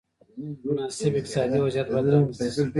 مناسب اقتصادي وضعیت باید رامنځته شي.